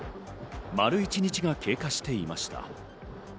丸一日が経過していました。